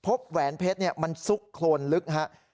แหวนเพชรมันซุกโครนลึกครับ